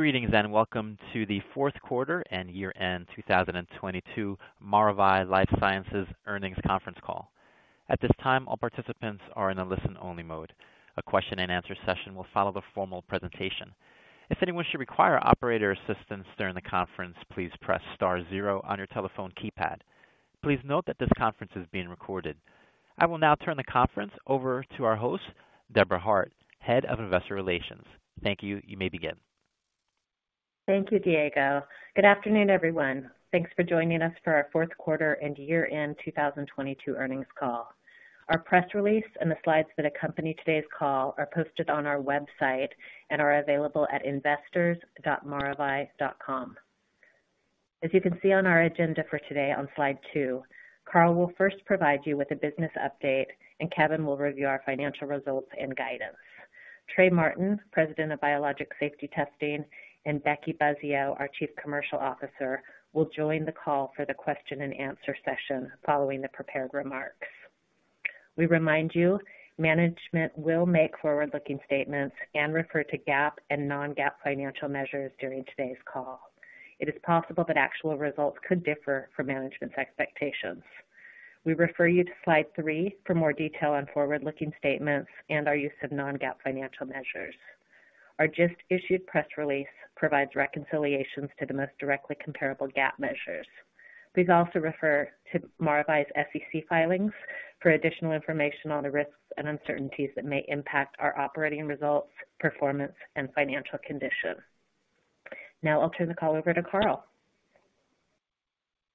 Greetings and welcome to the fourth quarter and year-end 2022 Maravai LifeSciences earnings conference call. At this time, all participants are in a listen-only mode. A question and answer session will follow the formal presentation. If anyone should require operator assistance during the conference, please press star zero on your telephone keypad. Please note that this conference is being recorded. I will now turn the conference over to our host, Debra Hart, Head of Investor Relations. Thank you. You may begin. Thank you, Diego. Good afternoon, everyone. Thanks for joining us for our fourth quarter and year-end 2022 earnings call. Our press release and the slides that accompany today's call are posted on our website and are available at investors.maravai.com. You can see on our agenda for today on slide 2, Carl will first provide you with a business update, and Kevin will review our financial results and guidance. Trey Martin, President of Biologic Safety Testing, and Becky Buzzeo, our Chief Commercial Officer, will join the call for the question and answer session following the prepared remarks. We remind you management will make forward-looking statements and refer to GAAP and non-GAAP financial measures during today's call. It is possible that actual results could differ from management's expectations. We refer you to slide 3 for more detail on forward-looking statements and our use of non-GAAP financial measures. Our just-issued press release provides reconciliations to the most directly comparable GAAP measures. Please also refer to Maravai's SEC filings for additional information on the risks and uncertainties that may impact our operating results, performance, and financial condition. I'll turn the call over to Carl.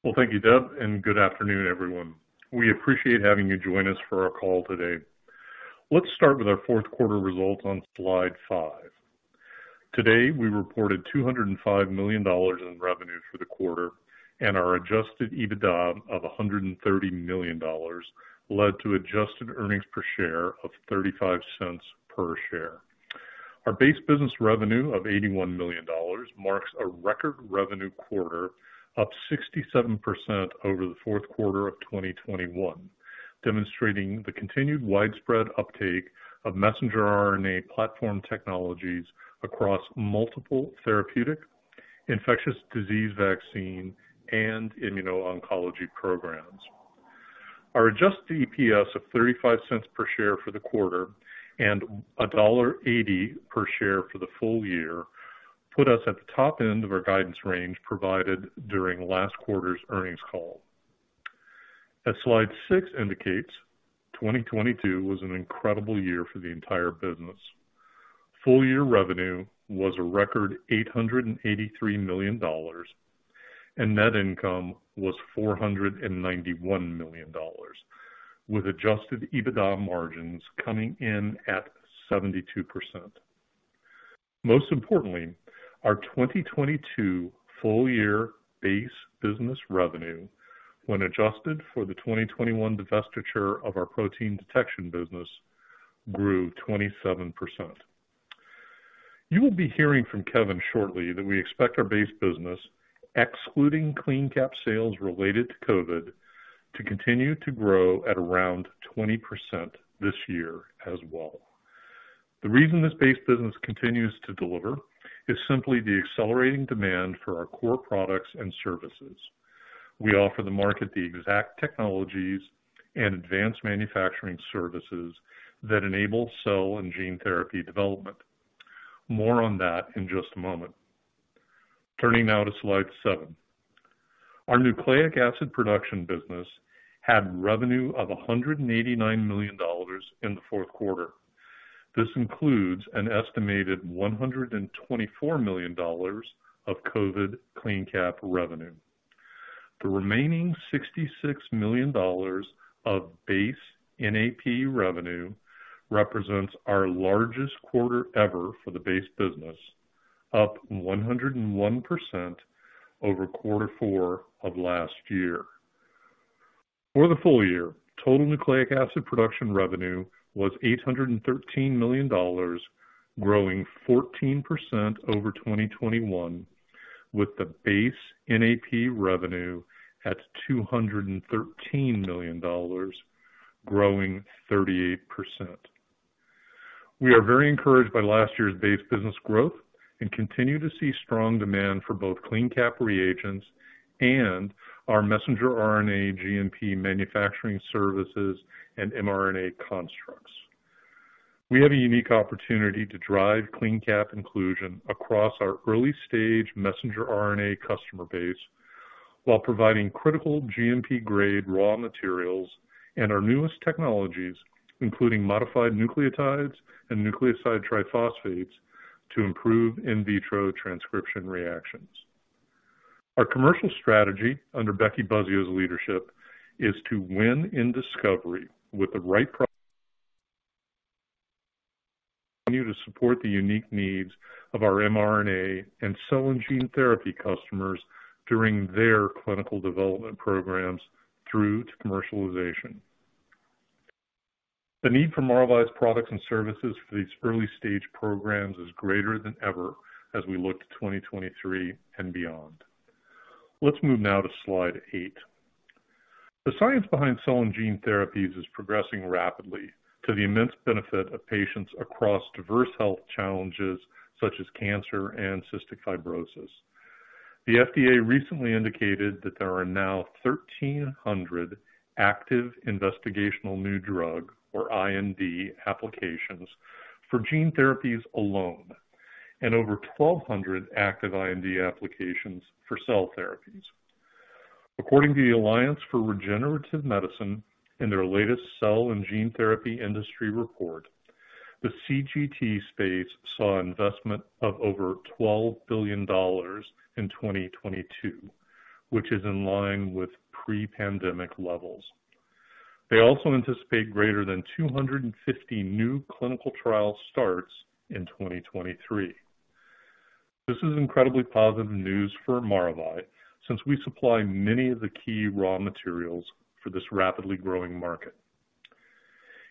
Thank you, Deb, and good afternoon, everyone. We appreciate having you join us for our call today. Let's start with our fourth quarter results on slide 5. Today, we reported $205 million in revenue for the quarter, our adjusted EBITDA of $130 million led to adjusted earnings per share of $0.35 per share. Our base business revenue of $81 million marks a record revenue quarter, up 67% over the fourth quarter of 2021, demonstrating the continued widespread uptake of Messenger RNA platform technologies across multiple therapeutic, infectious disease vaccine, and immuno-oncology programs. Our adjusted EPS of $0.35 per share for the quarter and $1.80 per share for the full year put us at the top end of our guidance range provided during last quarter's earnings call. As slide 6 indicates, 2022 was an incredible year for the entire business. Full year revenue was a record $883 million, and net income was $491 million, with adjusted EBITDA margins coming in at 72%. Most importantly, our 2022 full year base business revenue, when adjusted for the 2021 divestiture of our protein detection business, grew 27%. You will be hearing from Kevin shortly that we expect our base business, excluding CleanCap sales related to COVID, to continue to grow at around 20% this year as well. The reason this base business continues to deliver is simply the accelerating demand for our core products and services. We offer the market the exact technologies and advanced manufacturing services that enable cell and gene therapy development. More on that in just a moment. Turning now to slide 7. Our nucleic acid production business had revenue of $189 million in the fourth quarter. This includes an estimated $124 million of COVID CleanCap revenue. The remaining $66 million of base NAP revenue represents our largest quarter ever for the base business, up 101% over quarter four of last year. For the full year, total nucleic acid production revenue was $813 million, growing 14% over 2021, with the base NAP revenue at $213 million, growing 38%. We are very encouraged by last year's base business growth and continue to see strong demand for both CleanCap reagents and our messenger RNA GMP manufacturing services and mRNA constructs. We have a unique opportunity to drive CleanCap inclusion across our early-stage messenger RNA customer base while providing critical GMP-grade raw materials and our newest technologies, including modified nucleotides and nucleoside triphosphates to improve in vitro transcription reactions. Our commercial strategy under Becky Buzzeo's leadership is to win in discovery with the right continue to support the unique needs of our mRNA and cell and gene therapy customers during their clinical development programs through to commercialization. The need for Maravai's products and services for these early stage programs is greater than ever as we look to 2023 and beyond. Let's move now to slide 8. The science behind cell and gene therapies is progressing rapidly to the immense benefit of patients across diverse health challenges such as cancer and cystic fibrosis. The FDA recently indicated that there are now 1,300 active investigational new drug, or IND applications for gene therapies alone and over 1,200 active IND applications for cell therapies. According to the Alliance for Regenerative Medicine in their latest cell and gene therapy industry report, the CGT space saw investment of over $12 billion in 2022, which is in line with pre-pandemic levels. They also anticipate greater than 250 new clinical trial starts in 2023. This is incredibly positive news for Maravai since we supply many of the key raw materials for this rapidly growing market.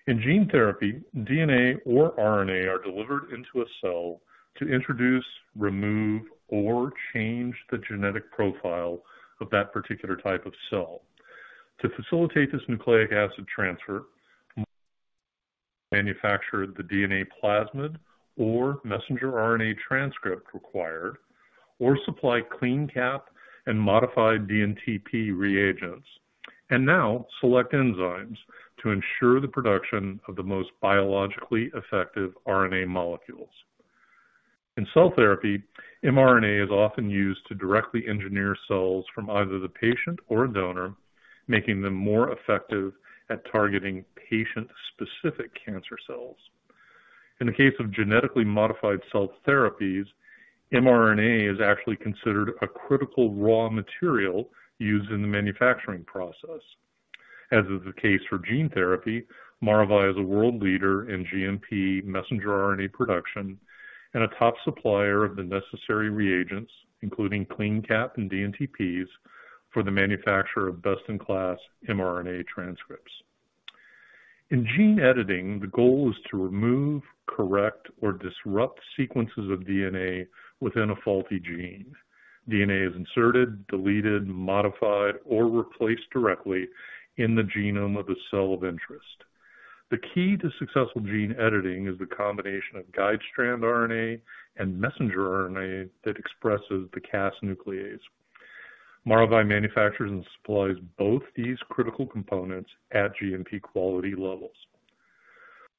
In gene therapy, DNA or RNA are delivered into a cell to introduce, remove, or change the genetic profile of that particular type of cell. To facilitate this nucleic acid transfer, manufacture the DNA plasmid or messenger RNA transcript required, or supply CleanCap and modified dNTP reagents, and now select enzymes to ensure the production of the most biologically effective RNA molecules. In cell therapy, mRNA is often used to directly engineer cells from either the patient or a donor, making them more effective at targeting patient-specific cancer cells. In the case of genetically modified cell therapies, mRNA is actually considered a critical raw material used in the manufacturing process. As is the case for gene therapy, Maravai is a world leader in GMP messenger RNA production and a top supplier of the necessary reagents, including CleanCap and dNTPs for the manufacturer of best-in-class mRNA transcripts. In gene editing, the goal is to remove, correct, or disrupt sequences of DNA within a faulty gene. DNA is inserted, deleted, modified, or replaced directly in the genome of the cell of interest. The key to successful gene editing is the combination of guide strand RNA and messenger RNA that expresses the Cas nuclease. Maravai manufactures and supplies both these critical components at GMP quality levels.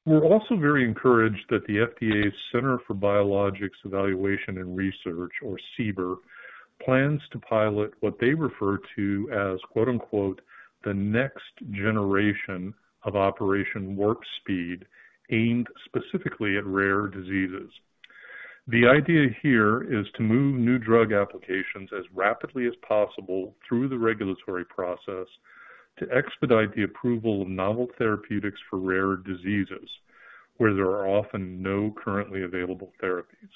We're also very encouraged that the FDA's Center for Biologics Evaluation and Research, or CBER, plans to pilot what they refer to as, quote, unquote, "The next generation of Operation Warp Speed," aimed specifically at rare diseases. The idea here is to move new drug applications as rapidly as possible through the regulatory process to expedite the approval of novel therapeutics for rare diseases where there are often no currently available therapies.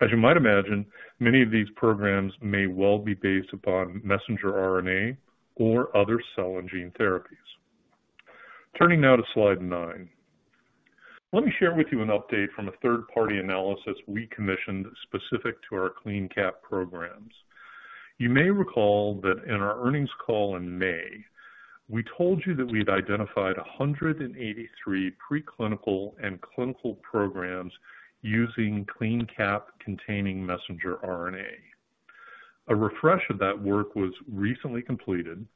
As you might imagine, many of these programs may well be based upon messenger RNA or other cell and gene therapies. Turning now to slide 9. Let me share with you an update from a third-party analysis we commissioned specific to our CleanCap programs. You may recall that in our earnings call in May, we told you that we'd identified 183 preclinical and clinical programs using CleanCap containing messenger RNA. A refresh of that work was recently completed,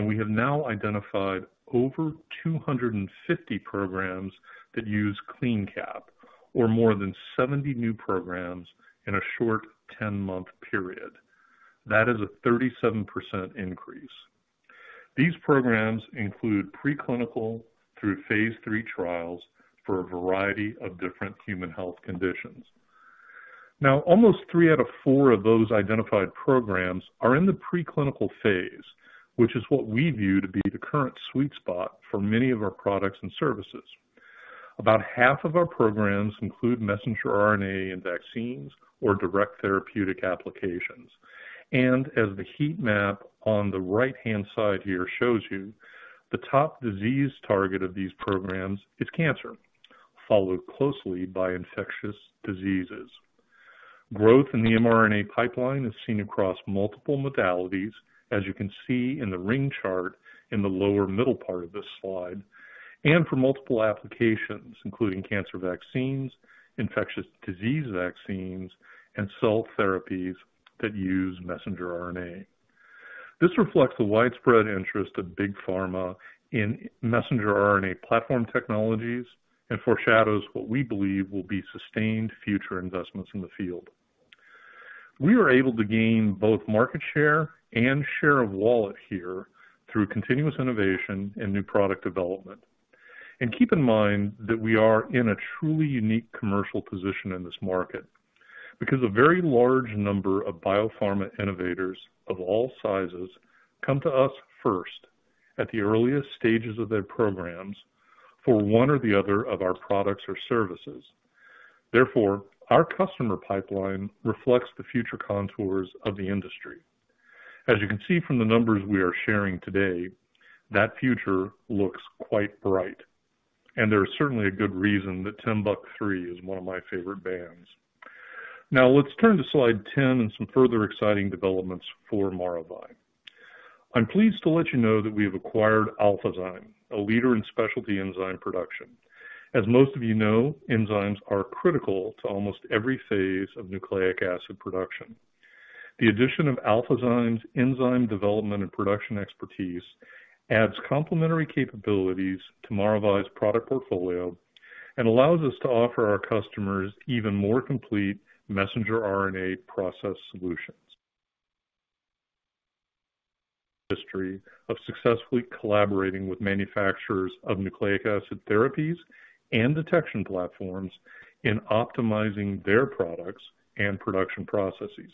we have now identified over 250 programs that use CleanCap or more than 70 new programs in a short 10-month period. That is a 37% increase. These programs include preclinical through phase 3 trials for a variety of different human health conditions. Almost three out of four of those identified programs are in the preclinical phase, which is what we view to be the current sweet spot for many of our products and services. About half of our programs include messenger RNA in vaccines or direct therapeutic applications. As the heat map on the right-hand side here shows you, the top disease target of these programs is cancer, followed closely by infectious diseases. Growth in the mRNA pipeline is seen across multiple modalities, as you can see in the ring chart in the lower middle part of this slide, and for multiple applications, including cancer vaccines, infectious disease vaccines, and cell therapies that use messenger RNA. This reflects the widespread interest of big pharma in messenger RNA platform technologies and foreshadows what we believe will be sustained future investments in the field. We were able to gain both market share and share of wallet here through continuous innovation and new product development. Keep in mind that we are in a truly unique commercial position in this market because a very large number of biopharma innovators of all sizes come to us first at the earliest stages of their programs for one or the other of our products or services. Therefore, our customer pipeline reflects the future contours of the industry. As you can see from the numbers we are sharing today, that future looks quite bright, and there is certainly a good reason that Timbuk3 is one of my favorite bands. Let's turn to slide 10 and some further exciting developments for Maravai. I'm pleased to let you know that we have acquired AlphaZyme, a leader in specialty enzyme production. As most of you know, enzymes are critical to almost every phase of nucleic acid production. The addition of AlphaZyme's enzyme development and production expertise adds complementary capabilities to Maravai's product portfolio and allows us to offer our customers even more complete messenger RNA process solutions. History of successfully collaborating with manufacturers of nucleic acid therapies and detection platforms in optimizing their products and production processes.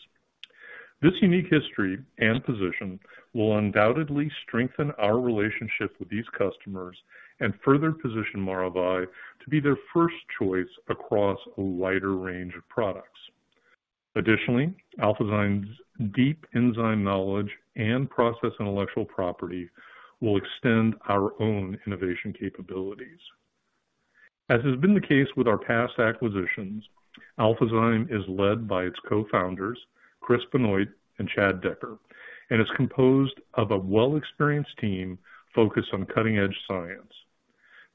This unique history and position will undoubtedly strengthen our relationship with these customers and further position Maravai to be their first choice across a wider range of products. Additionally, AlphaZyme's deep enzyme knowledge and process intellectual property will extend our own innovation capabilities. As has been the case with our past acquisitions, AlphaZyme is led by its co-founders, Chris Benoit and Chad Decker, and is composed of a well-experienced team focused on cutting-edge science.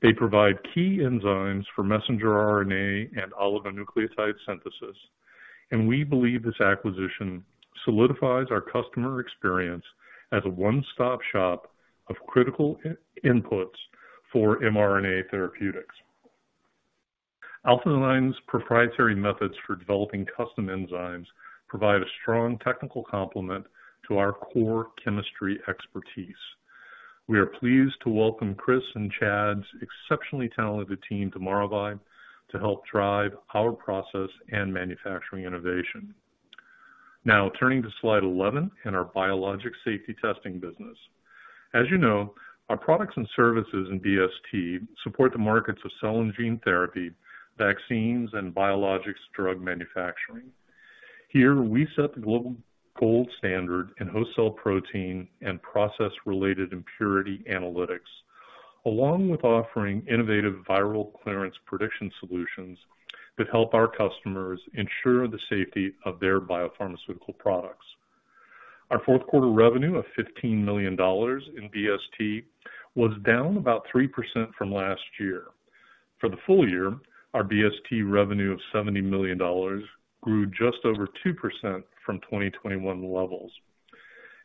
They provide key enzymes for messenger RNA and oligonucleotide synthesis, we believe this acquisition solidifies our customer experience as a one-stop shop of critical i-inputs for mRNA therapeutics. AlphaZyme's proprietary methods for developing custom enzymes provide a strong technical complement to our core chemistry expertise. We are pleased to welcome Chris and Chad's exceptionally talented team to Maravai to help drive our process and manufacturing innovation. Now turning to slide 11 and our Biologic Safety Testing business. As you know, our products and services in BST support the markets of cell and gene therapy, vaccines, and biologics drug manufacturing. Here we set the global gold standard in host cell protein and process-related impurity analytics, along with offering innovative viral clearance prediction solutions that help our customers ensure the safety of their biopharmaceutical products. Our fourth quarter revenue of $15 million in BST was down about 3% from last year. For the full year, our BST revenue of $70 million grew just over 2% from 2021 levels.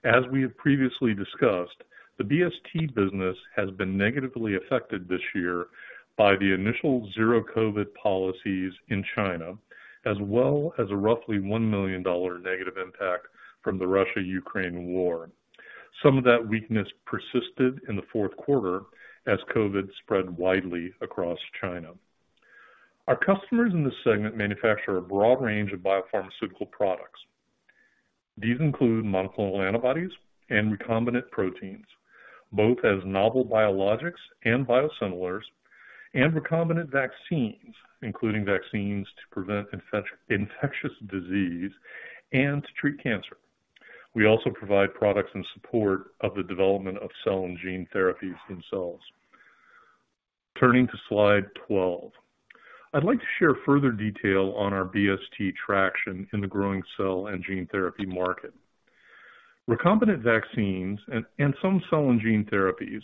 As we have previously discussed, the BST business has been negatively affected this year by the initial zero COVID policies in China, as well as a roughly $1 million negative impact from the Russia-Ukraine war. Some of that weakness persisted in the fourth quarter as COVID spread widely across China. Our customers in this segment manufacture a broad range of biopharmaceutical products. These include monoclonal antibodies and recombinant proteins, both as novel biologics and biosimilars and recombinant vaccines, including vaccines to prevent infectious disease and to treat cancer. We also provide products in support of the development of cell and gene therapies themselves. Turning to slide 12. I'd like to share further detail on our BST traction in the growing cell and gene therapy market. Recombinant vaccines and some cell and gene therapies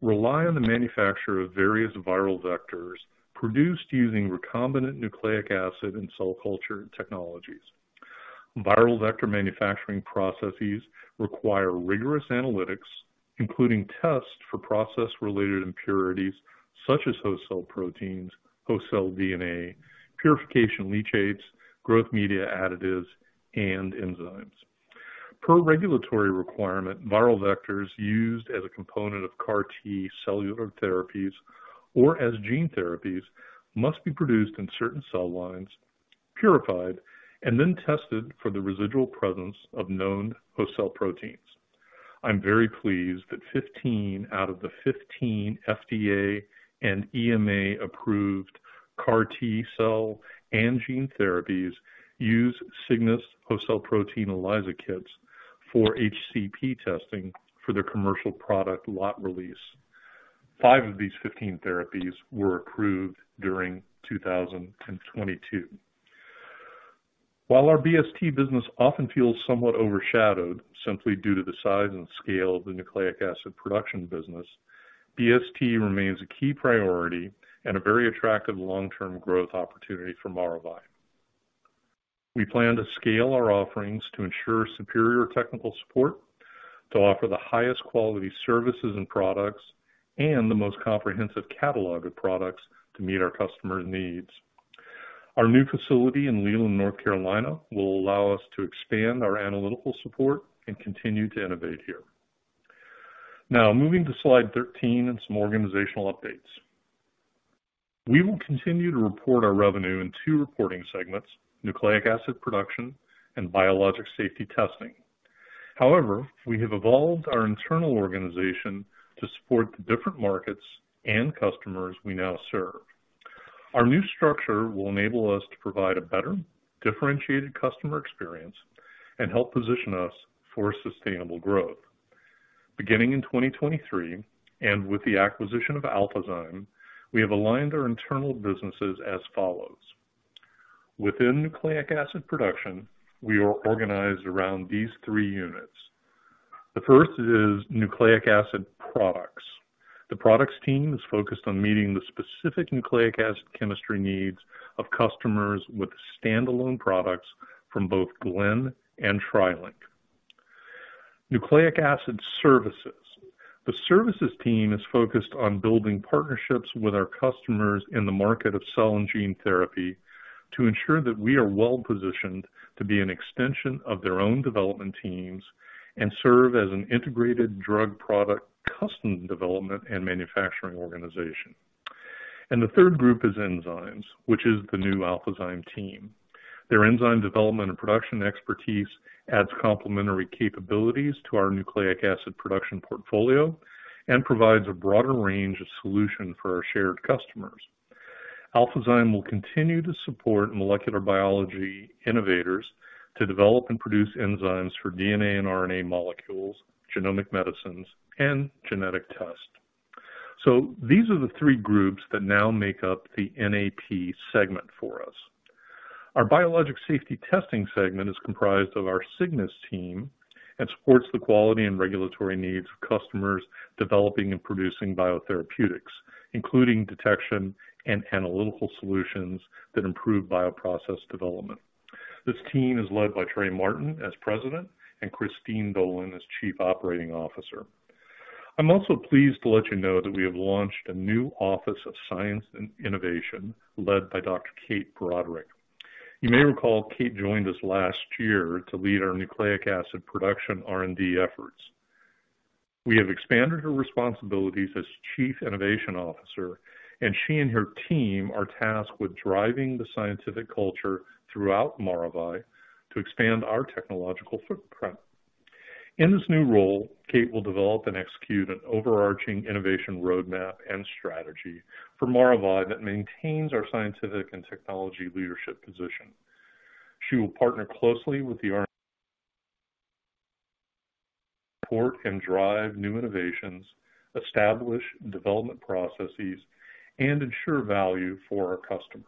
rely on the manufacture of various viral vectors produced using recombinant nucleic acid and cell culture technologies. Viral vector manufacturing processes require rigorous analytics, including tests for process-related impurities such as host cell proteins, host cell DNA, purification leachates, growth media additives, and enzymes. Per regulatory requirement, viral vectors used as a component of CAR T cellular therapies or as gene therapies must be produced in certain cell lines, purified, and then tested for the residual presence of known host cell proteins. I'm very pleased that 15 out of the 15 FDA and EMA-approved CAR T-cell and gene therapies use Cygnus host cell protein ELISA kits for HCP testing for their commercial product lot release. Five of these 15 therapies were approved during 2022. While our BST business often feels somewhat overshadowed simply due to the size and scale of the nucleic acid production business, BST remains a key priority and a very attractive long-term growth opportunity for Maravai. We plan to scale our offerings to ensure superior technical support, to offer the highest quality services and products, and the most comprehensive catalog of products to meet our customers' needs. Our new facility in Leland, North Carolina, will allow us to expand our analytical support and continue to innovate here. Moving to slide 13 and some organizational updates. We will continue to report our revenue in two reporting segments, nucleic acid production and Biologic Safety Testing. We have evolved our internal organization to support the different markets and customers we now serve. Our new structure will enable us to provide a better differentiated customer experience and help position us for sustainable growth. Beginning in 2023, and with the acquisition of AlphaZyme, we have aligned our internal businesses as follows. Within nucleic acid production, we are organized around these three units. The first is nucleic acid products. The products team is focused on meeting the specific nucleic acid chemistry needs of customers with standalone products from both Glen and TriLink. Nucleic acid services. The services team is focused on building partnerships with our customers in the market of cell and gene therapy to ensure that we are well-positioned to be an extension of their own development teams and serve as an integrated drug product, custom development and manufacturing organization. The third group is enzymes, which is the new AlphaZyme team. Their enzyme development and production expertise adds complementary capabilities to our nucleic acid production portfolio and provides a broader range of solution for our shared customers. AlphaZyme will continue to support molecular biology innovators to develop and produce enzymes for DNA and RNA molecules, genomic medicines and genetic tests. These are the three groups that now make up the NAP segment for us. Our Biologic Safety Testing segment is comprised of our Cygnus team and supports the quality and regulatory needs of customers developing and producing biotherapeutics, including detection and analytical solutions that improve bioprocess development. This team is led by Trey Martin as President and Christine Dolan as Chief Operating Officer. I'm also pleased to let you know that we have launched a new office of science and innovation led by Dr. Kate Broderick. You may recall Kate joined us last year to lead our nucleic acid production R&D efforts. We have expanded her responsibilities as Chief Innovation Officer, and she and her team are tasked with driving the scientific culture throughout Maravai to expand our technological footprint. In this new role, Kate will develop and execute an overarching innovation roadmap and strategy for Maravai that maintains our scientific and technology leadership position. She will partner closely with support and drive new innovations, establish development processes, and ensure value for our customers.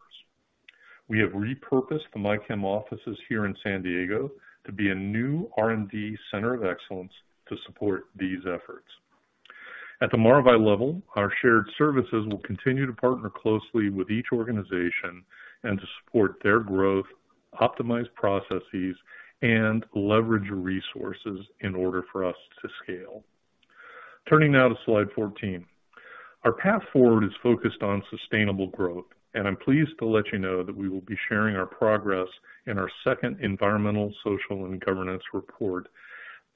We have repurposed the MyChem offices here in San Diego to be a new R&D center of excellence to support these efforts. At the Maravai level, our shared services will continue to partner closely with each organization and to support their growth, optimize processes, and leverage resources in order for us to scale. Turning now to slide 14. Our path forward is focused on sustainable growth, I'm pleased to let you know that we will be sharing our progress in our second Environmental, Social, and Governance report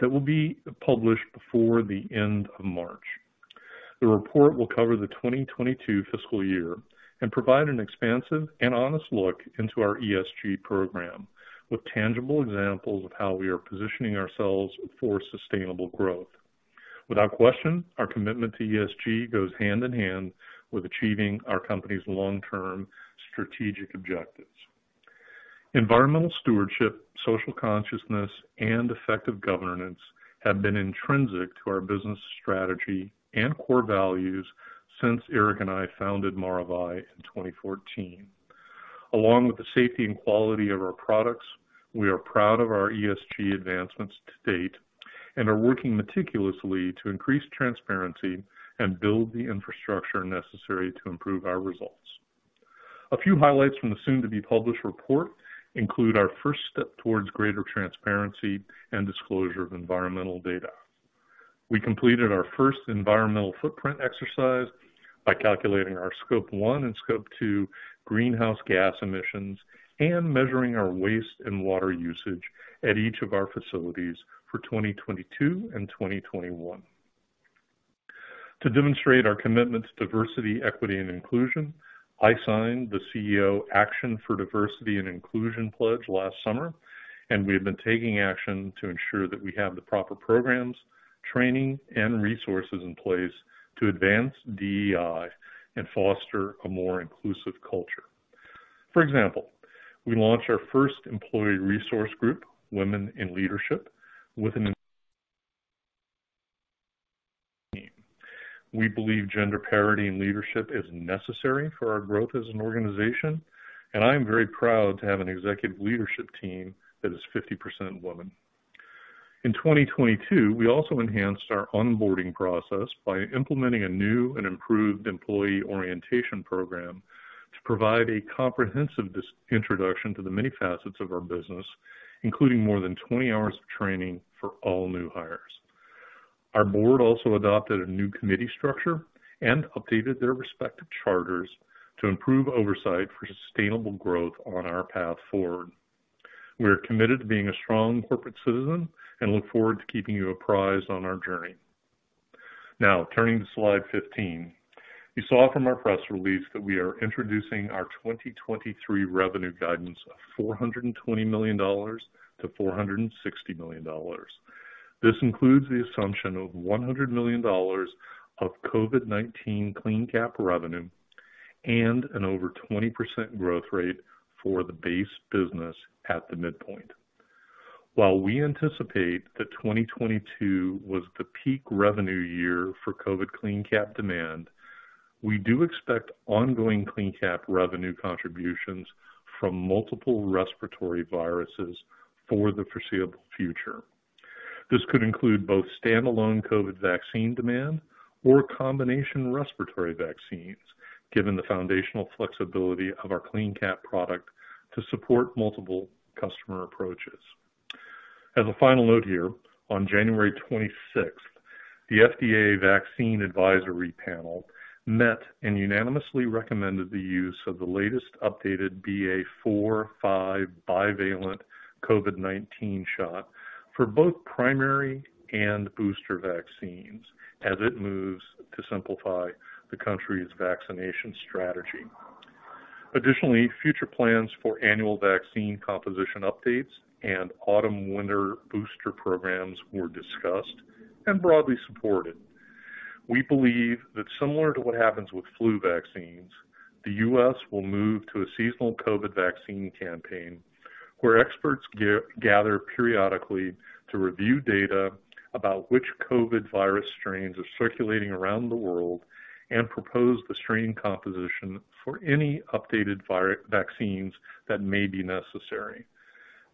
that will be published before the end of March. The report will cover the 2022 fiscal year and provide an expansive and honest look into our ESG program with tangible examples of how we are positioning ourselves for sustainable growth. Without question, our commitment to ESG goes hand in hand with achieving our company's long-term strategic objectives. Environmental stewardship, social consciousness, and effective governance have been intrinsic to our business strategy and core values since Eric and I founded Maravai in 2014. Along with the safety and quality of our products, we are proud of our ESG advancements to date and are working meticulously to increase transparency and build the infrastructure necessary to improve our results. A few highlights from the soon-to-be-published report include our first step towards greater transparency and disclosure of environmental data. We completed our first environmental footprint exercise by calculating our scope one and scope two greenhouse gas emissions and measuring our waste and water usage at each of our facilities for 2022 and 2021. To demonstrate our commitment to diversity, equity, and inclusion, I signed the CEO Action for Diversity & Inclusion pledge last summer. We have been taking action to ensure that we have the proper programs, training, and resources in place to advance DEI and foster a more inclusive culture. For example, we launched our first employee resource group, Women in Leadership, with team. We believe gender parity in leadership is necessary for our growth as an organization, and I am very proud to have an executive leadership team that is 50% women. In 2022, we also enhanced our onboarding process by implementing a new and improved employee orientation program to provide a comprehensive introduction to the many facets of our business, including more than 20 hours of training for all new hires. Our board also adopted a new committee structure and updated their respective charters to improve oversight for sustainable growth on our path forward. We are committed to being a strong corporate citizen and look forward to keeping you apprised on our journey. Now, turning to slide 15. You saw from our press release that we are introducing our 2023 revenue guidance of $420 million to $460 million. This includes the assumption of $100 million of COVID-19 CleanCap revenue. An over 20% growth rate for the base business at the midpoint. While we anticipate that 2022 was the peak revenue year for COVID CleanCap demand, we do expect ongoing CleanCap revenue contributions from multiple respiratory viruses for the foreseeable future. This could include both standalone COVID vaccine demand or combination respiratory vaccines, given the foundational flexibility of our CleanCap product to support multiple customer approaches. As a final note here, on January 26th, the FDA Vaccine Advisory panel met and unanimously recommended the use of the latest updated BA.4/5 bivalent COVID-19 shot for both primary and booster vaccines as it moves to simplify the country's vaccination strategy. Additionally, future plans for annual vaccine composition updates and autumn/winter booster programs were discussed and broadly supported. We believe that similar to what happens with flu vaccines, the U.S. will move to a seasonal COVID vaccine campaign, where experts gather periodically to review data about which COVID virus strains are circulating around the world and propose the strain composition for any updated vaccines that may be necessary.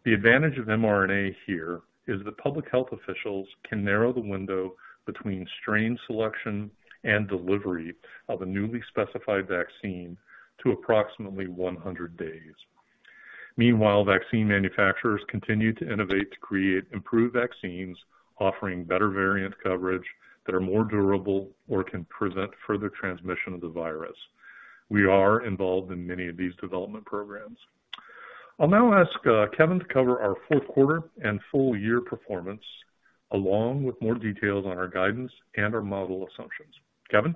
The advantage of mRNA here is that public health officials can narrow the window between strain selection and delivery of a newly specified vaccine to approximately 100 days. Meanwhile, vaccine manufacturers continue to innovate to create improved vaccines, offering better variant coverage that are more durable or can prevent further transmission of the virus. We are involved in many of these development programs. I'll now ask Kevin to cover our fourth quarter and full year performance, along with more details on our guidance and our model assumptions. Kevin?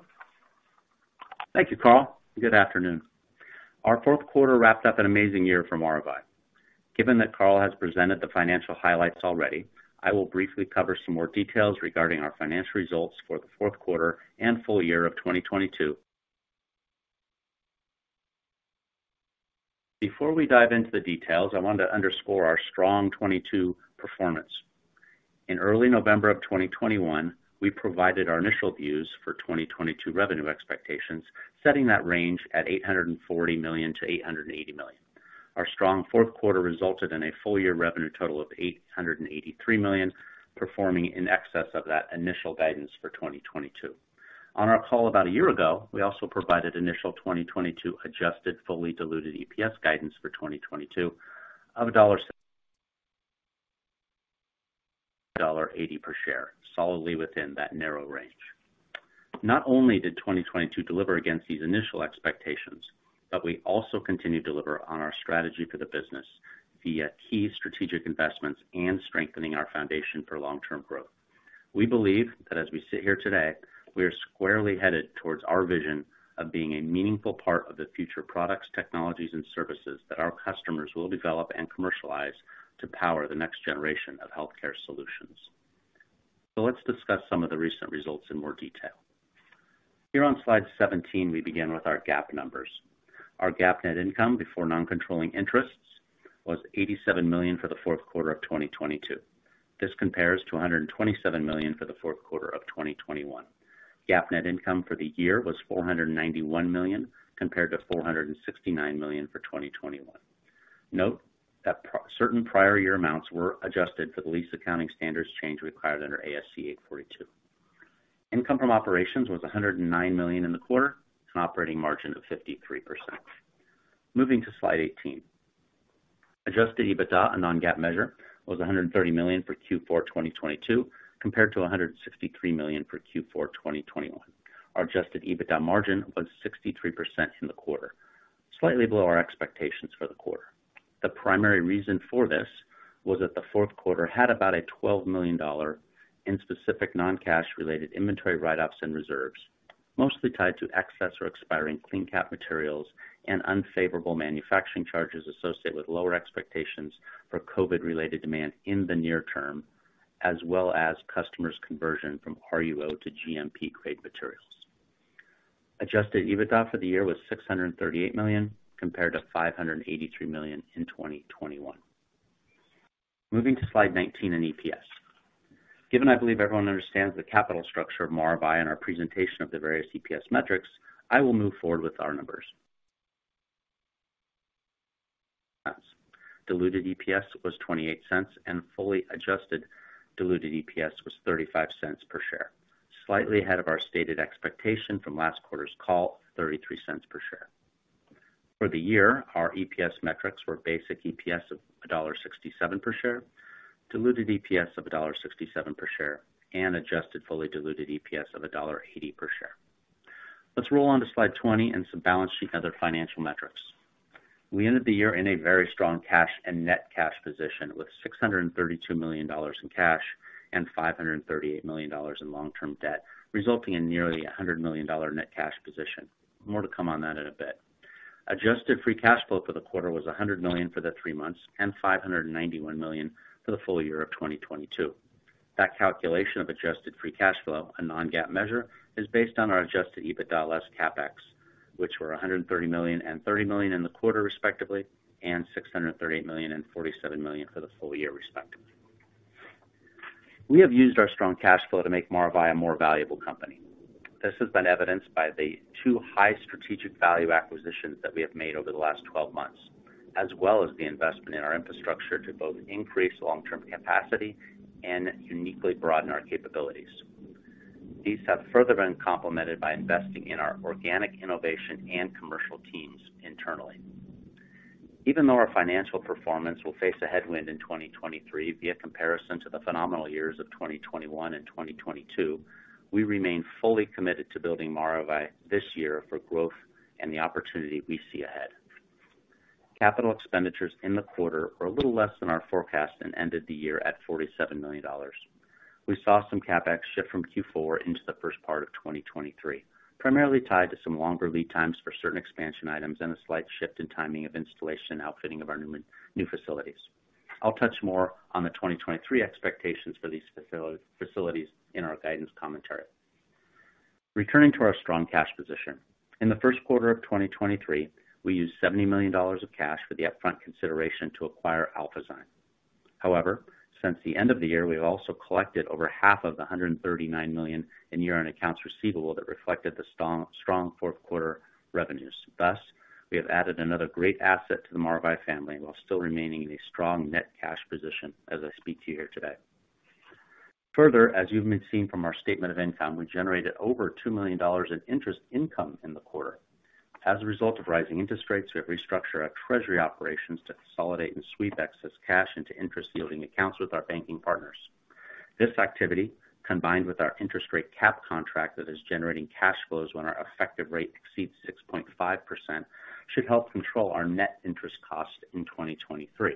Thank you, Carl, good afternoon. Our fourth quarter wrapped up an amazing year from Maravai. Given that Carl has presented the financial highlights already, I will briefly cover some more details regarding our financial results for the fourth quarter and full year of 2022. Before we dive into the details, I want to underscore our strong 2022 performance. In early November of 2021, we provided our initial views for 2022 revenue expectations, setting that range at $840 million-$880 million. Our strong fourth quarter resulted in a full year revenue total of $883 million, performing in excess of that initial guidance for 2022. On our call about a year ago, we also provided initial 2022 adjusted fully diluted EPS guidance for 2022 of $1.80 per share, solidly within that narrow range. Not only did 2022 deliver against these initial expectations, but we also continued to deliver on our strategy for the business via key strategic investments and strengthening our foundation for long-term growth. We believe that as we sit here today, we are squarely headed towards our vision of being a meaningful part of the future products, technologies and services that our customers will develop and commercialize to power the next generation of healthcare solutions. Let's discuss some of the recent results in more detail. Here on slide 17, we begin with our GAAP numbers. Our GAAP net income before non-controlling interests was $87 million for the fourth quarter of 2022. This compares to $127 million for the fourth quarter of 2021. GAAP net income for the year was $491 million, compared to $469 million for 2021. Note that certain prior year amounts were adjusted for the lease accounting standards change required under ASC 842. Income from operations was $109 million in the quarter, an operating margin of 53%. Moving to slide 18. Adjusted EBITDA, a non-GAAP measure, was $130 million for Q4 2022, compared to $163 million for Q4 2021. Our adjusted EBITDA margin was 63% in the quarter, slightly below our expectations for the quarter. The primary reason for this was that the fourth quarter had about a $12 million in specific non-cash related inventory write-ups and reserves, mostly tied to excess or expiring CleanCap materials and unfavorable manufacturing charges associated with lower expectations for COVID-related demand in the near term, as well as customers' conversion from RUO to GMP grade materials. Adjusted EBITDA for the year was $638 million, compared to $583 million in 2021. Moving to slide 19 in EPS. Given I believe everyone understands the capital structure of Maravai and our presentation of the various EPS metrics, I will move forward with our numbers. Diluted EPS was $0.28 and fully adjusted diluted EPS was $0.35 per share. Slightly ahead of our stated expectation from last quarter's call, $0.33 per share. For the year, our EPS metrics were basic EPS of $1.67 per share, diluted EPS of $1.67 per share, and adjusted fully diluted EPS of $1.80 per share. Let's roll on to slide 20 and some balance sheet other financial metrics. We ended the year in a very strong cash and net cash position with $632 million in cash and $538 million in long-term debt, resulting in nearly a $100 million net cash position. More to come on that in a bit. Adjusted free cash flow for the quarter was $100 million for the three months and $591 million for the full year of 2022. That calculation of adjusted free cash flow, a non-GAAP measure, is based on our adjusted EBITDA less CapEx, which were $130 million and $30 million in the quarter, respectively, and $638 million and $47 million for the full year, respectively. We have used our strong cash flow to make Maravai a more valuable company. This has been evidenced by the two high strategic value acquisitions that we have made over the last 12 months, as well as the investment in our infrastructure to both increase long-term capacity and uniquely broaden our capabilities. These have further been complemented by investing in our organic innovation and commercial teams internally. Even though our financial performance will face a headwind in 2023 via comparison to the phenomenal years of 2021 and 2022, we remain fully committed to building Maravai this year for growth and the opportunity we see ahead. Capital expenditures in the quarter are a little less than our forecast and ended the year at $47 million. We saw some CapEx shift from Q4 into the first part of 2023, primarily tied to some longer lead times for certain expansion items and a slight shift in timing of installation and outfitting of our new facilities. I'll touch more on the 23 expectations for these facilities in our guidance commentary. Returning to our strong cash position. In the first quarter of 2023, we used $70 million of cash for the upfront consideration to acquire AlphaZyme. Since the end of the year, we've also collected over half of the $139 million in year-end accounts receivable that reflected the strong fourth quarter revenues. We have added another great asset to the Maravai family while still remaining in a strong net cash position as I speak to you here today. Further, as you've been seeing from our statement of income, we generated over $2 million in interest income in the quarter. As a result of rising interest rates, we have restructured our treasury operations to consolidate and sweep excess cash into interest-yielding accounts with our banking partners. This activity, combined with our interest rate cap contract that is generating cash flows when our effective rate exceeds 6.5%, should help control our net interest cost in 2023.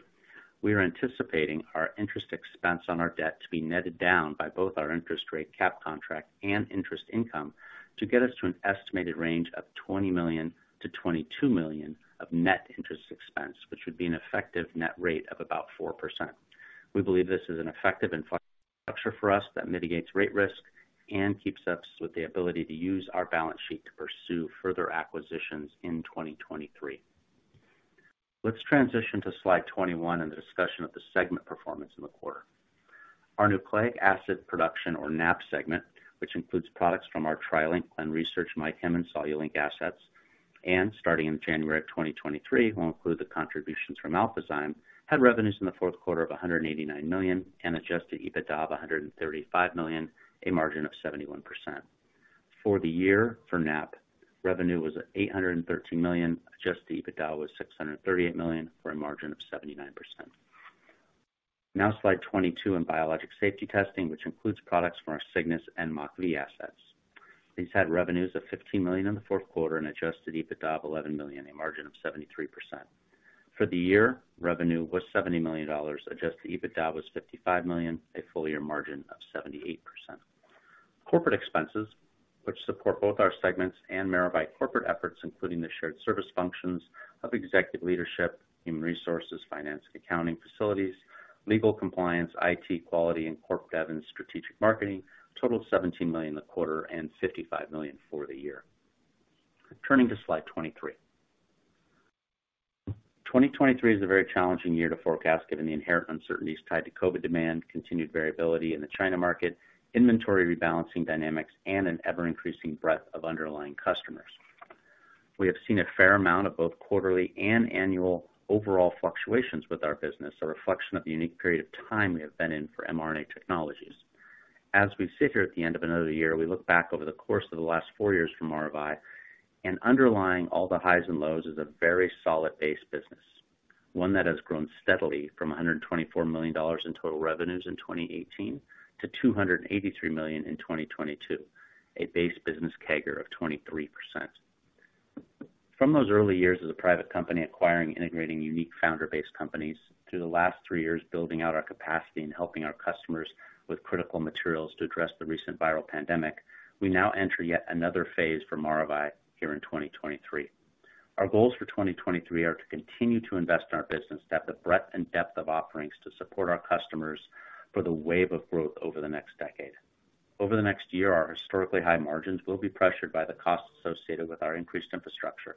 We are anticipating our interest expense on our debt to be netted down by both our interest rate cap contract and interest income to get us to an estimated range of $20 million-$22 million of net interest expense, which would be an effective net rate of about 4%. We believe this is an effective infrastructure for us that mitigates rate risk and keeps us with the ability to use our balance sheet to pursue further acquisitions in 2023. Let's transition to slide 21 and the discussion of the segment performance in the quarter. Our nucleic acid production or NAP segment, which includes products from our TriLink and research MyChem and Solulink assets, and starting in January of 2023, will include the contributions from AlphaZyme, had revenues in the fourth quarter of $189 million and adjusted EBITDA of $135 million, a margin of 71%. For the year for NAP, revenue was $813 million. Adjusted EBITDA was $638 million for a margin of 79%. Slide 22 in biologic safety testing, which includes products from our Cygnus and MockV assets. These had revenues of $15 million in the fourth quarter and adjusted EBITDA of $11 million, a margin of 73%. For the year, revenue was $70 million. Adjusted EBITDA was $55 million, a full year margin of 78%. Corporate expenses, which support both our segments and Maravai corporate efforts, including the shared service functions of executive leadership, human resources, finance and accounting facilities, legal compliance, IT, quality and corporate governance, strategic marketing, total of $17 million in the quarter and $55 million for the year. Turning to slide 23. 2023 is a very challenging year to forecast, given the inherent uncertainties tied to Covid demand, continued variability in the China market, inventory rebalancing dynamics, and an ever-increasing breadth of underlying customers. We have seen a fair amount of both quarterly and annual overall fluctuations with our business, a reflection of the unique period of time we have been in for mRNA technologies. As we sit here at the end of another year, we look back over the course of the last 4 years from Maravai and underlying all the highs and lows is a very solid base business, one that has grown steadily from $124 million in total revenues in 2018 to $283 million in 2022, a base business CAGR of 23%. From those early years as a private company acquiring and integrating unique founder-based companies to the last 3 years building out our capacity and helping our customers with critical materials to address the recent viral pandemic, we now enter yet another phase for Maravai here in 2023. Our goals for 2023 are to continue to invest in our business to have the breadth and depth of offerings to support our customers for the wave of growth over the next decade. Over the next year, our historically high margins will be pressured by the costs associated with our increased infrastructure.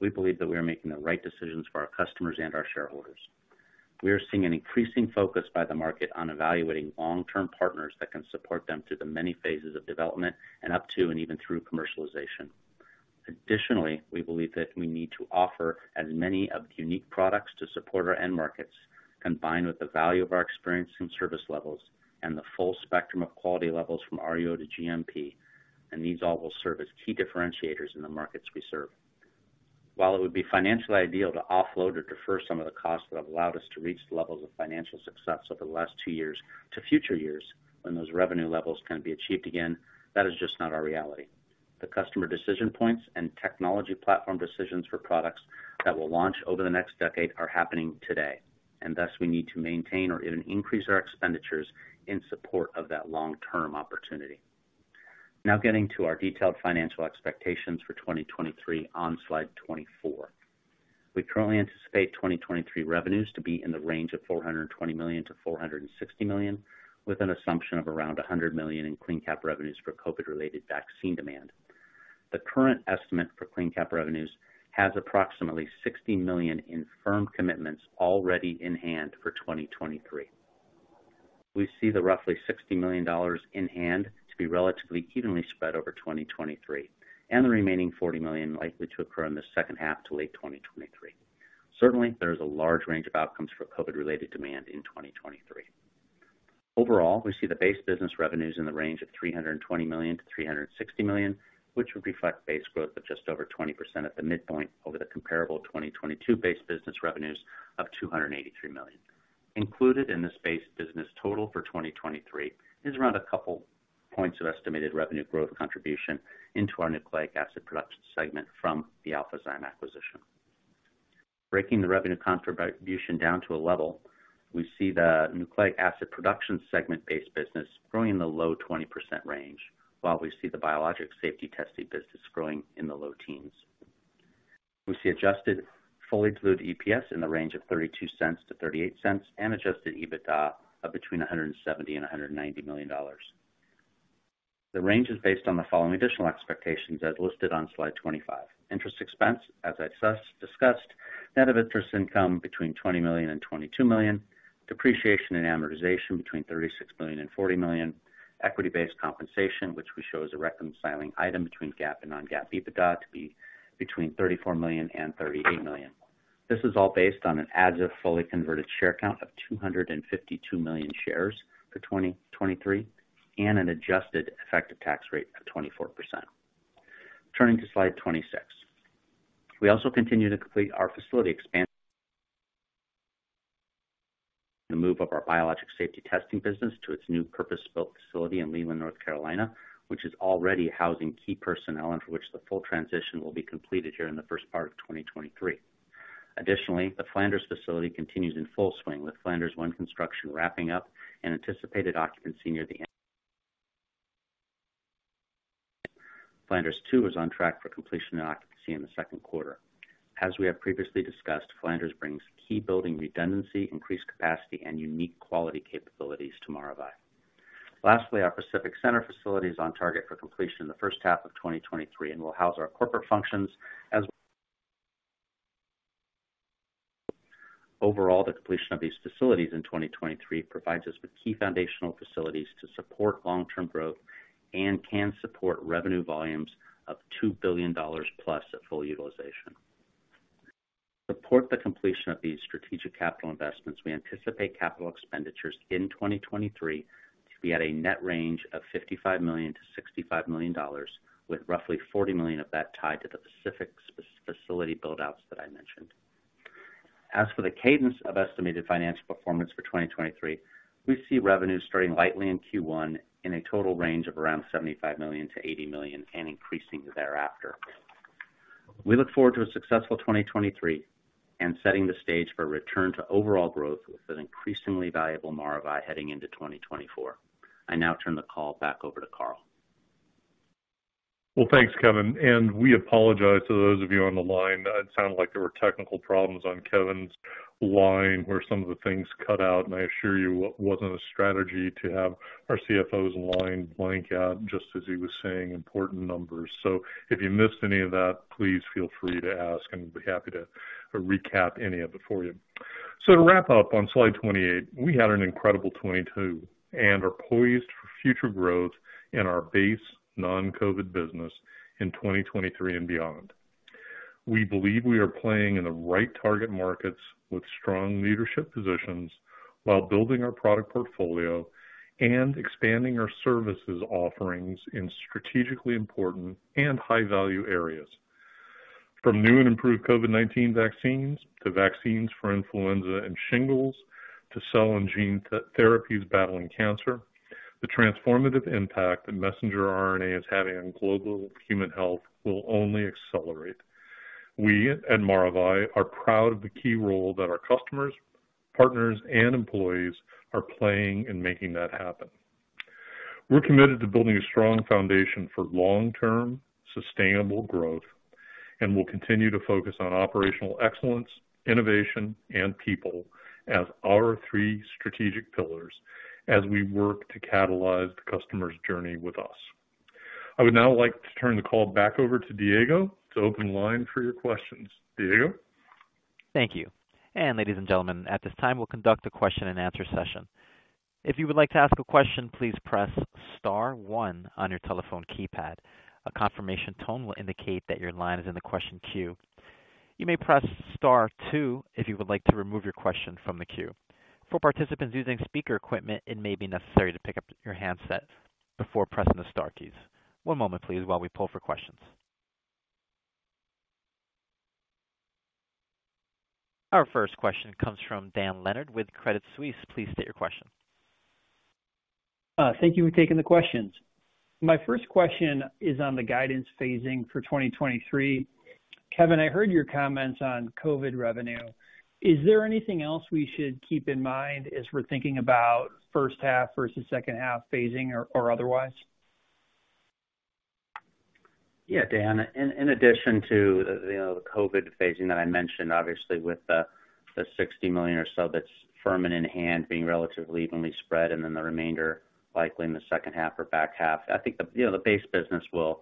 We believe that we are making the right decisions for our customers and our shareholders. We are seeing an increasing focus by the market on evaluating long-term partners that can support them through the many phases of development and up to and even through commercialization. We believe that we need to offer as many of the unique products to support our end markets, combined with the value of our experience and service levels and the full spectrum of quality levels from RUO to GMP, and these all will serve as key differentiators in the markets we serve. It would be financially ideal to offload or defer some of the costs that have allowed us to reach the levels of financial success over the last 2 years to future years when those revenue levels can be achieved again, that is just not our reality. The customer decision points and technology platform decisions for products that will launch over the next decade are happening today, and thus we need to maintain or even increase our expenditures in support of that long-term opportunity. Getting to our detailed financial expectations for 2023 on slide 24. We currently anticipate 2023 revenues to be in the range of $420 million-$460 million, with an assumption of around $100 million in CleanCap revenues for COVID-related vaccine demand. The current estimate for CleanCap revenues has approximately $60 million in firm commitments already in hand for 2023. We see the roughly $60 million in hand to be relatively evenly spread over 2023, and the remaining $40 million likely to occur in the second half to late 2023. Certainly, there is a large range of outcomes for COVID-related demand in 2023. Overall, we see the base business revenues in the range of $320 million-$360 million, which would reflect base growth of just over 20% at the midpoint over the comparable 2022 base business revenues of $283 million. Included in this base business total for 2023 is around a couple points of estimated revenue growth contribution into our nucleic acid production segment from the AlphaZyme acquisition. Breaking the revenue contribution down to a level, we see the nucleic acid production segment-based business growing in the low 20% range, while we see the Biologic Safety Testing business growing in the low teens. We see adjusted fully diluted EPS in the range of $0.32-$0.38 and adjusted EBITDA of between $170 million and $190 million. The range is based on the following additional expectations as listed on slide 25. Interest expense, as I discussed, net of interest income between $20 million and $22 million, depreciation and amortization between $36 million and $40 million, equity-based compensation, which we show as a reconciling item between GAAP and non-GAAP EBITDA to be between $34 million and $38 million. This is all based on an as of fully converted share count of 252 million shares for 2023 and an adjusted effective tax rate of 24%. Turning to slide 26. We also continue to complete our facility the move of our Biologic Safety Testing business to its new purpose-built facility in Leland, North Carolina, which is already housing key personnel and for which the full transition will be completed here in the first part of 2023. Additionally, the Flanders facility continues in full swing, with Flanders One construction wrapping up and anticipated occupancy near the end. Flanders Two is on track for completion and occupancy in the second quarter. As we have previously discussed, Flanders brings key building redundancy, increased capacity, and unique quality capabilities to Maravai. Lastly, our Pacific Center facility is on target for completion in the first half of 2023 and will house our corporate functions as. Overall, the completion of these facilities in 2023 provides us with key foundational facilities to support long-term growth and can support revenue volumes of $2 billion plus at full utilization. Support the completion of these strategic capital investments, we anticipate capital expenditures in 2023 to be at a net range of $55 million-$65 million, with roughly $40 million of that tied to the Pacific facility build outs that I mentioned. As for the cadence of estimated financial performance for 2023, we see revenues starting lightly in Q1 in a total range of around $75 million-$80 million and increasing thereafter. We look forward to a successful 2023 and setting the stage for a return to overall growth with an increasingly valuable Maravai heading into 2024. I now turn the call back over to Carl. Well, thanks, Kevin. We apologize to those of you on the line. It sounded like there were technical problems on Kevin's line where some of the things cut out. I assure you it wasn't a strategy to have our CFO's line blank out just as he was saying important numbers. If you missed any of that, please feel free to ask, and we'd be happy to recap any of it for you. To wrap up on slide 28, we had an incredible 2022 and are poised for future growth in our base non-COVID business in 2023 and beyond. We believe we are playing in the right target markets with strong leadership positions while building our product portfolio and expanding our services offerings in strategically important and high-value areas. From new and improved COVID-19 vaccines to vaccines for influenza and shingles to cell and gene therapies battling cancer, the transformative impact that messenger RNA is having on global human health will only accelerate. We at Maravai are proud of the key role that our customers, partners, and employees are playing in making that happen. We're committed to building a strong foundation for long-term, sustainable growth, and we'll continue to focus on operational excellence, innovation, and people as our three strategic pillars as we work to catalyze the customer's journey with us. I would now like to turn the call back over to Diego to open the line for your questions. Diego? Thank you. Ladies and gentlemen, at this time we'll conduct a question and answer session. If you would like to ask a question, please press star one on your telephone keypad. A confirmation tone will indicate that your line is in the question queue. You may press star two if you would like to remove your question from the queue. For participants using speaker equipment, it may be necessary to pick up your handset before pressing the star keys. One moment, please, while we pull for questions. Our first question comes from Dan Leonard with Credit Suisse. Please state your question. Thank you for taking the questions. My first question is on the guidance phasing for 2023. Kevin, I heard your comments on COVID revenue. Is there anything else we should keep in mind as we're thinking about first half versus second half phasing or otherwise? Dan, in addition to the, you know, the COVID phasing that I mentioned, obviously with the $60 million or so that's firm and in hand being relatively evenly spread, and then the remainder likely in the second half or back half, I think the, you know, the base business will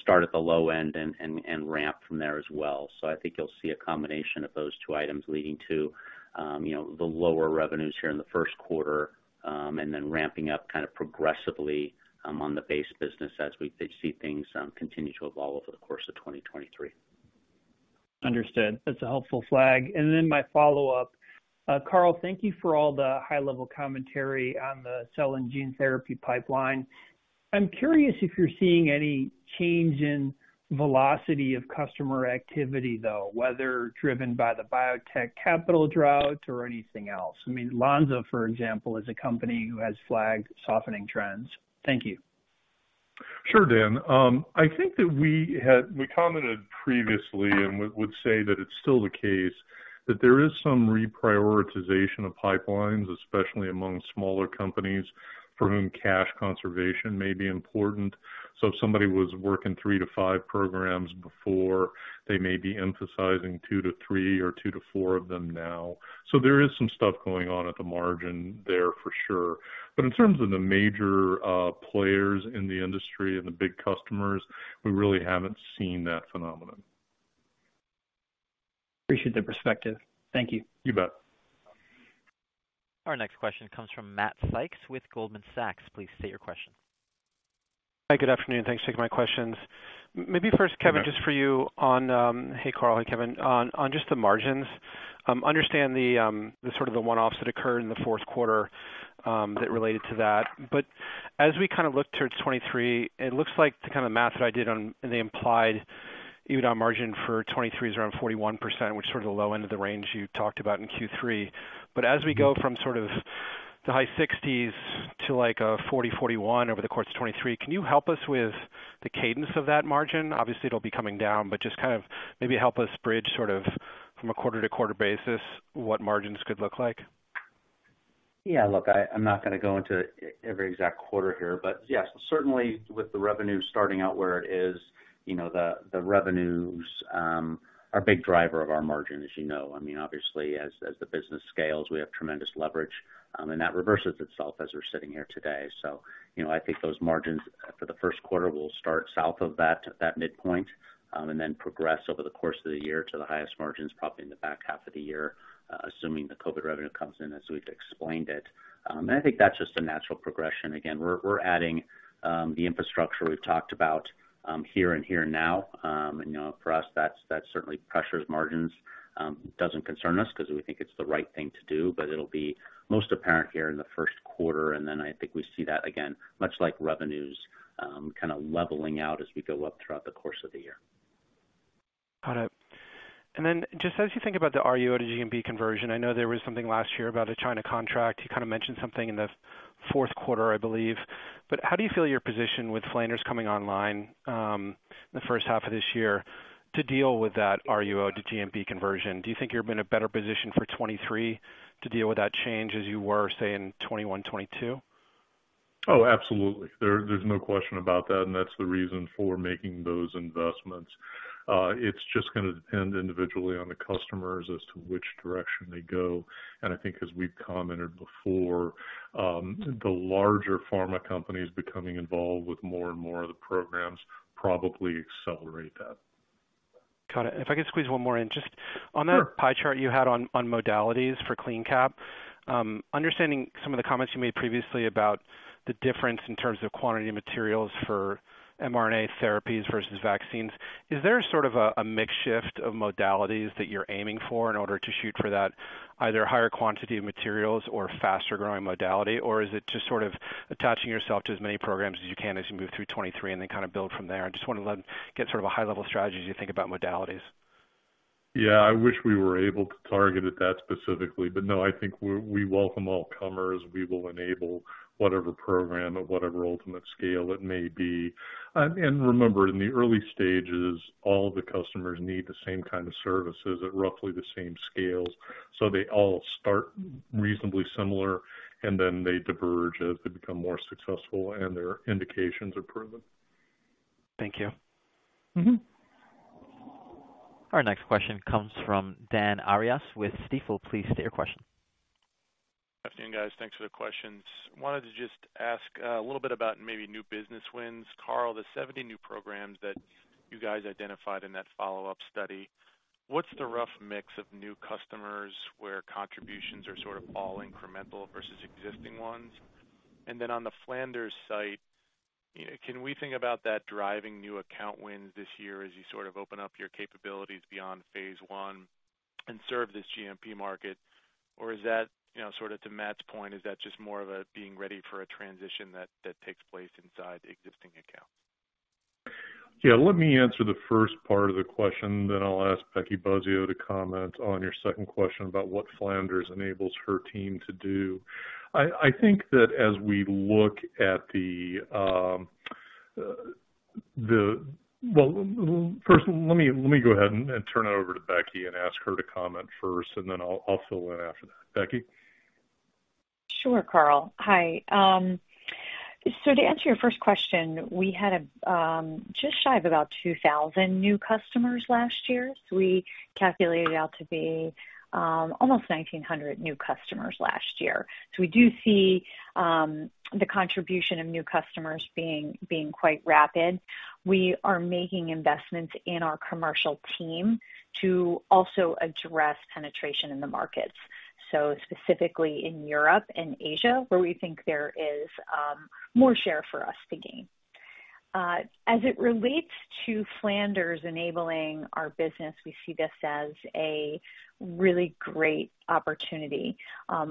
start at the low end and ramp from there as well. I think you'll see a combination of those two items leading to, you know, the lower revenues here in the first quarter, and then ramping up kind of progressively on the base business as we see things continue to evolve over the course of 2023. Understood. That's a helpful flag. My follow-up. Carl, thank you for all the high-level commentary on the cell and gene therapy pipeline. I'm curious if you're seeing any change in velocity of customer activity, though, whether driven by the biotech capital drought or anything else. I mean, Lonza, for example, is a company who has flagged softening trends. Thank you. Sure, Dan. I think that we commented previously and would say that it's still the case, that there is some reprioritization of pipelines, especially among smaller companies for whom cash conservation may be important. If somebody was working 3-5 programs before, they may be emphasizing 2-3 or 2-4 of them now. There is some stuff going on at the margin there for sure. In terms of the major players in the industry and the big customers, we really haven't seen that phenomenon. Appreciate the perspective. Thank you. You bet. Our next question comes from Matt Sykes with Goldman Sachs. Please state your question. Hi, good afternoon. Thanks for taking my questions. Maybe first, Kevin. Good afternoon. Just for you on. Hey, Carl. Hey, Kevin. On just the margins, understand the sort of the one-offs that occurred in the fourth quarter that related to that. As we kind of look towards 2023, it looks like the kind of math that I did on the implied EBITDA margin for 2023 is around 41%, which is sort of the low end of the range you talked about in Q3. As we go from sort of the high 60s to like 40%, 41% over the course of 2023, can you help us with the cadence of that margin? Obviously, it'll be coming down, but just kind of maybe help us bridge sort of from a quarter-to-quarter basis what margins could look like. Yeah, look, I'm not gonna go into every exact quarter here, but yes, certainly with the revenue starting out where it is, you know, the revenues are a big driver of our margin, as you know. I mean, obviously, as the business scales, we have tremendous leverage, and that reverses itself as we're sitting here today. You know, I think those margins for the first quarter will start south of that midpoint, and then progress over the course of the year to the highest margins, probably in the back half of the year, assuming the COVID revenue comes in as we've explained it. I think that's just a natural progression. Again, we're adding the infrastructure we've talked about here and here and now. You know, for us, that certainly pressures margins. It doesn't concern us because we think it's the right thing to do, but it'll be most apparent here in the first quarter, and then I think we see that again, much like revenues, kind of leveling out as we go up throughout the course of the year. Got it. Just as you think about the RUO to GMP conversion, I know there was something last year about a China contract. You kind of mentioned something in the fourth quarter, I believe. How do you feel your position with Flanders coming online, the first half of this year to deal with that RUO to GMP conversion? Do you think you're in a better position for 2023 to deal with that change as you were, say, in 2021, 2022? Oh, absolutely. There's no question about that's the reason for making those investments. It's just gonna depend individually on the customers as to which direction they go. I think as we've commented before, the larger pharma companies becoming involved with more and more of the programs probably accelerate that. Got it. If I could squeeze one more in. Sure. On that pie chart you had on modalities for CleanCap, understanding some of the comments you made previously about the difference in terms of quantity of materials for mRNA therapies versus vaccines, is there sort of a mix shift of modalities that you're aiming for in order to shoot for that either higher quantity of materials or faster growing modality? Or is it just sort of attaching yourself to as many programs as you can as you move through 2023 and then kind of build from there? I just wanna get sort of a high level strategy as you think about modalities. I wish we were able to target it that specifically. No, I think we welcome all comers. We will enable whatever program of whatever ultimate scale it may be. Remember, in the early stages, all the customers need the same kind of services at roughly the same scales. They all start reasonably similar, and then they diverge as they become more successful and their indications are proven. Thank you. Mm-hmm. Our next question comes from Dan Arias with Stifel. Please state your question. Good afternoon, guys. Thanks for the questions. Wanted to just ask a little bit about maybe new business wins. Carl, the 70 new programs that you guys identified in that follow-up study, what's the rough mix of new customers where contributions are sort of all incremental versus existing ones? Then on the Flanders site, you know, can we think about that driving new account wins this year as you sort of open up your capabilities beyond phase 1 and serve this GMP market? Or is that, you know, sort of to Matt's point, is that just more of a being ready for a transition that takes place inside the existing account? Yeah. Let me answer the first part of the question, then I'll ask Peggy Buzzeo to comment on your second question about what Flanders enables her team to do. I think that as we look at the Well, first let me go ahead and turn it over to Becky and ask her to comment first, and then I'll fill in after that. Becky? Sure, Carl. Hi. To answer your first question, we had a just shy of about 2,000 new customers last year. We calculated out to be almost 1,900 new customers last year. We do see the contribution of new customers being quite rapid. We are making investments in our commercial team to also address penetration in the markets, specifically in Europe and Asia, where we think there is more share for us to gain. As it relates to Flanders enabling our business, we see this as a really great opportunity.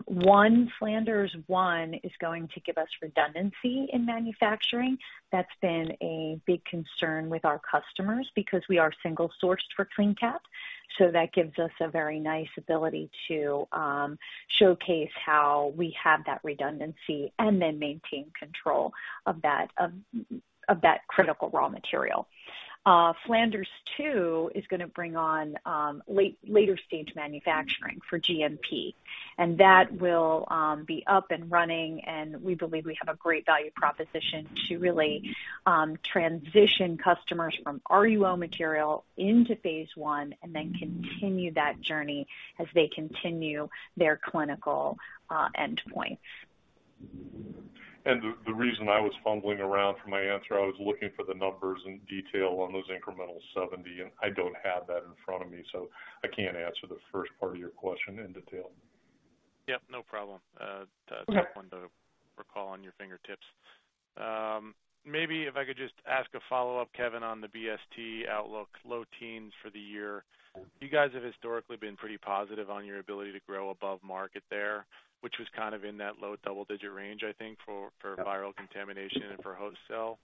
One, Flanders 1 is going to give us redundancy in manufacturing. That's been a big concern with our customers because we are single-sourced for CleanCap. That gives us a very nice ability to showcase how we have that redundancy and then maintain control of that critical raw material. Flanders 2 is going to bring on later stage manufacturing for GMP, and that will be up and running, and we believe we have a great value proposition to really transition customers from RUO material into phase 1 and then continue that journey as they continue their clinical endpoint. The reason I was fumbling around for my answer, I was looking for the numbers and detail on those incremental 70. I don't have that in front of me. I can't answer the first part of your question in detail. Yep, no problem. Okay. That's not one to recall on your fingertips. Maybe if I could just ask a follow-up, Kevin, on the BST outlook, low teens for the year. You guys have historically been pretty positive on your ability to grow above market there, which was kind of in that low double-digit range, I think, for viral contamination and for host cell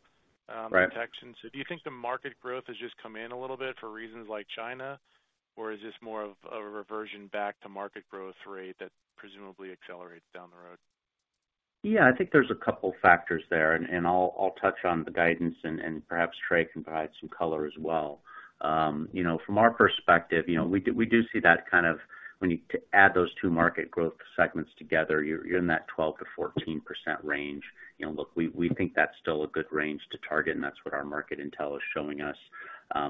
protection. Right. Do you think the market growth has just come in a little bit for reasons like China, or is this more of a reversion back to market growth rate that presumably accelerates down the road? Yeah, I think there's a couple factors there. I'll touch on the guidance and perhaps Trey can provide some color as well. You know, from our perspective, you know, we do see that kind of when you add those two market growth segments together, you're in that 12%-14% range. You know, look, we think that's still a good range to target, and that's what our market intel is showing us.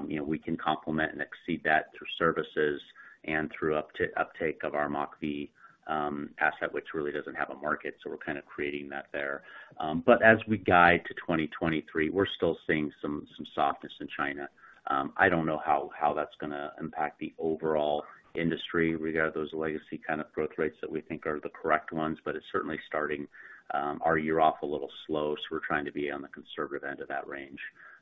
You know, we can complement and exceed that through services and through uptake of our MockV asset, which really doesn't have a market. We're kind of creating that there. As we guide to 2023, we're still seeing some softness in China. I don't know how that's going to impact the overall industry. We got those legacy kind of growth rates that we think are the correct ones, but it's certainly starting our year off a little slow, so we're trying to be on the conservative end of that range.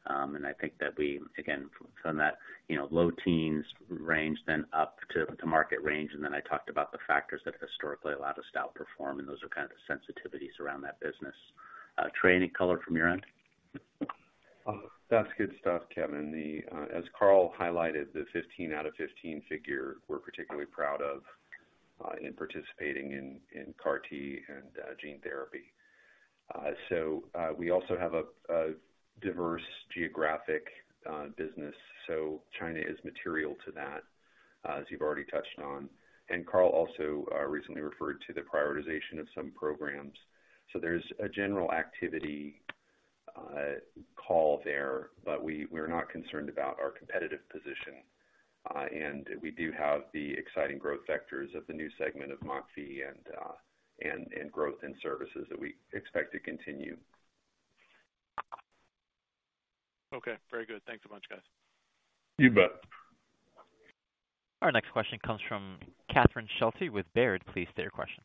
I think that we, again, from that, you know, low teens range then up to market range. I talked about the factors that historically allowed us to outperform, and those are kind of the sensitivities around that business. Trey, any color from your end? That's good stuff, Kevin. The, as Carl highlighted, the 15 out of 15 figure we're particularly proud of, in participating in CAR T and gene therapy. We also have a diverse geographic business. China is material to that, as you've already touched on. Carl also recently referred to the prioritization of some programs. There's a general activity call there, but we're not concerned about our competitive position. We do have the exciting growth vectors of the new segment of MockV and growth in services that we expect to continue. Okay, very good. Thanks a bunch, guys. You bet. Our next question comes from Catherine Schulte with Baird. Please state your question.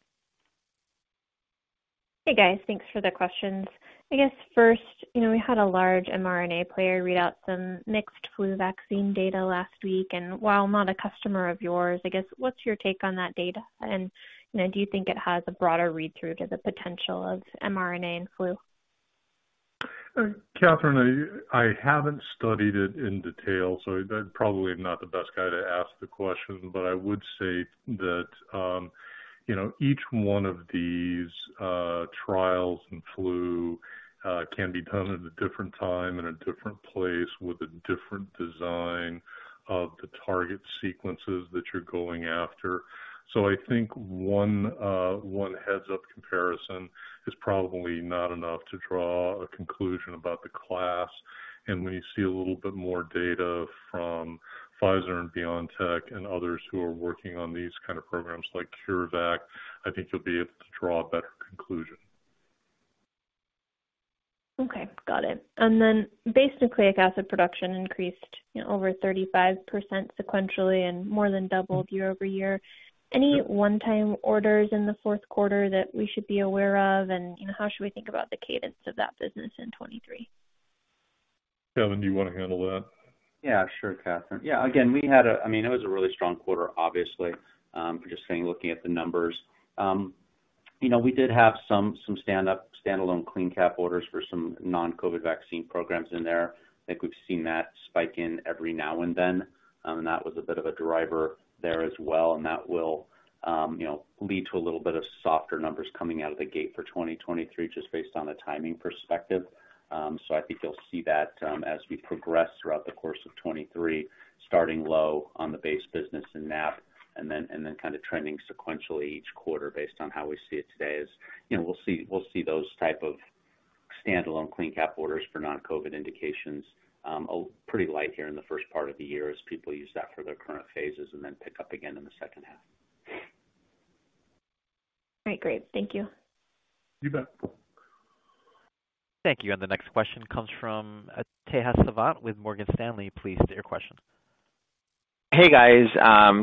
Hey, guys. Thanks for the questions. I guess first, you know, we had a large mRNA player read out some mixed flu vaccine data last week. While I'm not a customer of yours, I guess what's your take on that data? You know, do you think it has a broader read-through to the potential of mRNA in flu? Catherine, I haven't studied it in detail, so I'd probably not the best guy to ask the question. I would say that, you know, each one of these trials in flu can be done at a different time, in a different place with a different design of the target sequences that you're going after. I think one one heads-up comparison is probably not enough to draw a conclusion about the class. When you see a little bit more data from Pfizer and BioNTech and others who are working on these kind of programs like CureVac, I think you'll be able to draw a better conclusion. Okay, got it. Base nucleic acid production increased over 35% sequentially and more than doubled year-over-year. Any one-time orders in the fourth quarter that we should be aware of? You know, how should we think about the cadence of that business in 2023? Kevin, do you want to handle that? Yeah, sure, Catherine. Yeah, again, I mean, it was a really strong quarter, obviously, just saying, looking at the numbers. You know, we did have some standalone CleanCap orders for some non-COVID vaccine programs in there. I think we've seen that spike in every now and then. That was a bit of a driver there as well, and that will, you know, lead to a little bit of softer numbers coming out of the gate for 2023, just based on a timing perspective. I think you'll see that, as we progress throughout the course of 2023, starting low on the base business in that and then, and then kind of trending sequentially each quarter based on how we see it today. As you know, we'll see those type of standalone CleanCap orders for non-COVID indications, a pretty light here in the first part of the year as people use that for their current phases and then pick up again in the second half. All right. Great. Thank you. You bet. Thank you. The next question comes from Tejas Savant with Morgan Stanley. Please state your question. Hey, guys.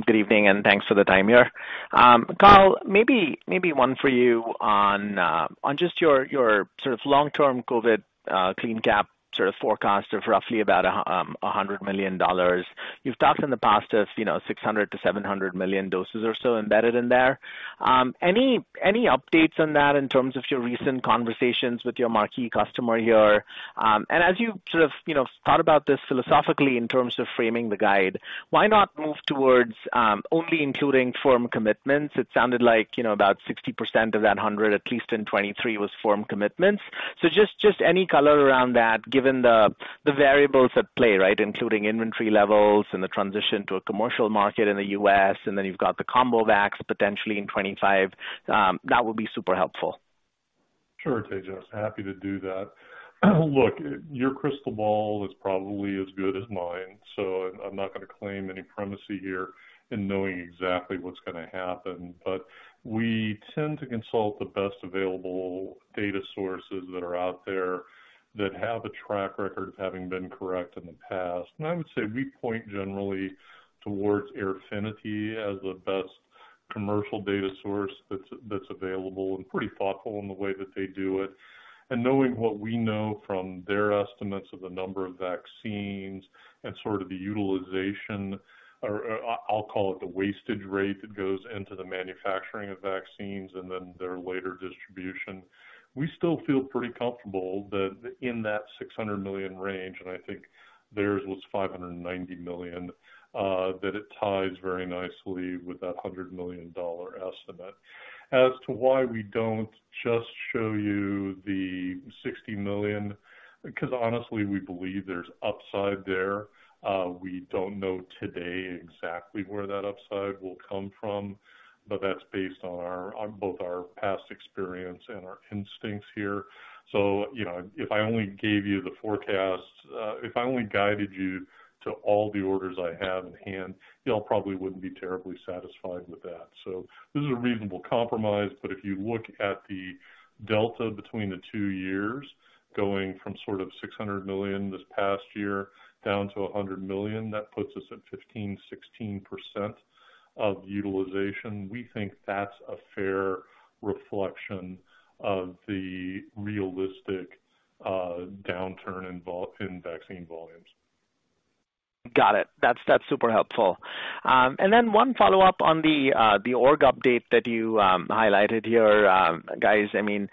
Good evening, thanks for the time here. Carl, maybe one for you on just your sort of long-term COVID, CleanCap sort of forecast of roughly about $100 million. You've talked in the past of, you know, 600 million-700 million doses or so embedded in there. Any updates on that in terms of your recent conversations with your marquee customer here? As you sort of, you know, thought about this philosophically in terms of framing the guide, why not move towards only including firm commitments? It sounded like, you know, about 60% of that $100 million, at least in 2023, was firm commitments. Just any color around that, given the variables at play, right, including inventory levels and the transition to a commercial market in the US, and then you've got the combo vax potentially in 25. That would be super helpful. Sure, Teja. Happy to do that. Look, your crystal ball is probably as good as mine, so I'm not gonna claim any primacy here in knowing exactly what's gonna happen. We tend to consult the best available data sources that are out there that have a track record of having been correct in the past. I would say we point generally towards Airfinity as the best commercial data source that's available and pretty thoughtful in the way that they do it. Knowing what we know from their estimates of the number of vaccines and sort of the utilization or I'll call it the wastage rate that goes into the manufacturing of vaccines and then their later distribution, we still feel pretty comfortable that in that $600 million range, and I think theirs was $590 million, that it ties very nicely with that $100 million estimate. As to why we don't just show you the $60 million, because honestly, we believe there's upside there. We don't know today exactly where that upside will come from, but that's based on both our past experience and our instincts here. You know, if I only gave you the forecast, if I only guided you to all the orders I have in hand, y'all probably wouldn't be terribly satisfied with that. This is a reasonable compromise, but if you look at the delta between the two years, going from sort of $600 million this past year down to $100 million, that puts us at 15%, 16% of utilization. We think that's a fair reflection of the realistic downturn in vaccine volumes. Got it. That's super helpful. Then one follow-up on the org update that you highlighted here, guys. I mean,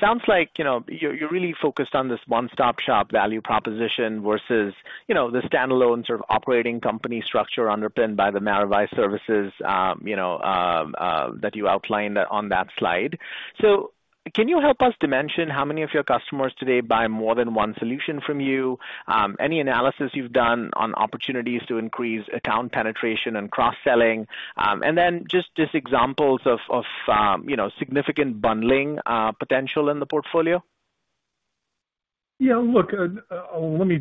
sounds like, you know, you're really focused on this one-stop shop value proposition versus, you know, the standalone sort of operating company structure underpinned by the Maravai services, you know, that you outlined on that slide. Can you help us dimension how many of your customers today buy more than one solution from you? Any analysis you've done on opportunities to increase account penetration and cross-selling? Then just examples of, you know, significant bundling potential in the portfolio. Yeah, look, let me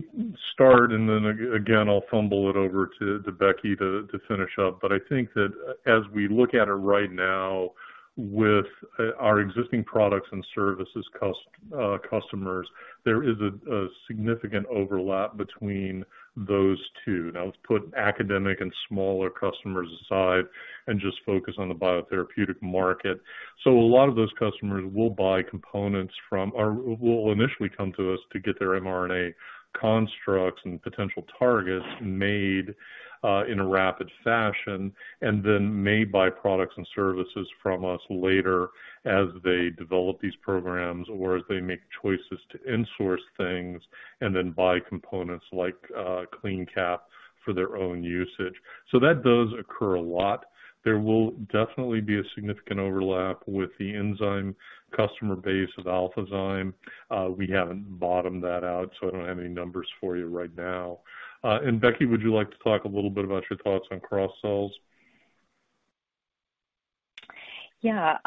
start and then again, I'll fumble it over to Becky to finish up. I think that as we look at it right now with our existing products and services customers, there is a significant overlap between those two. Let's put academic and smaller customers aside and just focus on the biotherapeutic market. A lot of those customers will buy components from or will initially come to us to get their mRNA constructs and potential targets made in a rapid fashion, and then may buy products and services from us later as they develop these programs or as they make choices to insource things and then buy components like CleanCap for their own usage. That does occur a lot. There will definitely be a significant overlap with the enzyme customer base of AlphaZyme. We haven't bottomed that out, so I don't have any numbers for you right now. Becky, would you like to talk a little bit about your thoughts on cross-sells? Yeah.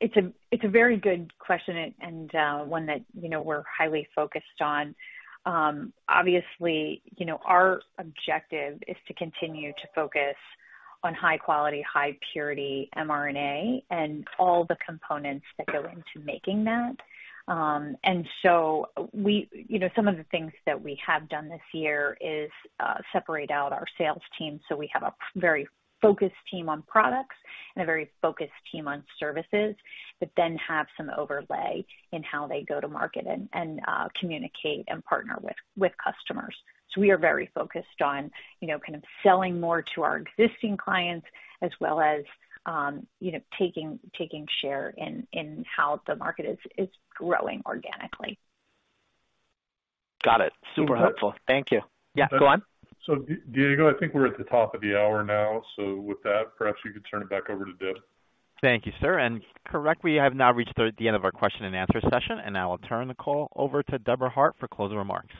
It's a very good question and one that, you know, we're highly focused on. Obviously, you know, our objective is to continue to focus on high quality, high purity mRNA and all the components that go into making that. You know, some of the things that we have done this year is separate out our sales team, so we have a very focused team on products and a very focused team on services, but then have some overlay in how they go to market and communicate and partner with customers. We are very focused on, you know, kind of selling more to our existing clients as well as, you know, taking share in how the market is growing organically. Got it. Super helpful. Thank you. Yeah, go on. Diego, I think we're at the top of the hour now. With that, perhaps you could turn it back over to Deb. Thank you, sir. Correctly, I have now reached the end of our question and answer session, and I will turn the call over to Debra Hart for closing remarks.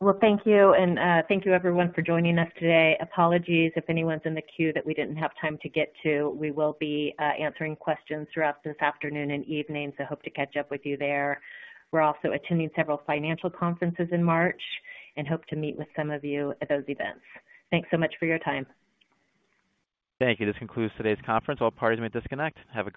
Well, thank you and, thank you everyone for joining us today. Apologies if anyone's in the queue that we didn't have time to get to. We will be answering questions throughout this afternoon and evening, so hope to catch up with you there. We're also attending several financial conferences in March and hope to meet with some of you at those events. Thanks so much for your time. Thank you. This concludes today's conference. All parties may disconnect. Have a great day.